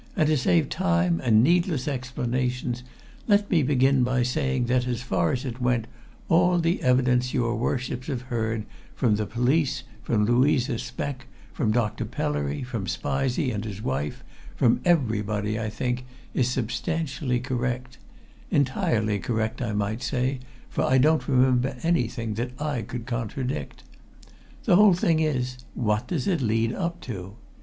"And to save time and needless explanations, let me begin by saying that, as far as it went, all the evidence your Worships have heard, from the police, from Louisa Speck, from Dr. Pellery, from Spizey and his wife, from everybody, I think, is substantially correct entirely correct, I might say, for I don't remember anything that I could contradict. The whole thing is what does it lead up to?